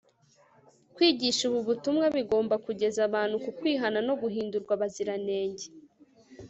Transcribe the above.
kwigisha ubu butumwa bigomba kugeza abantu ku kwihana no guhindurwa abaziranenge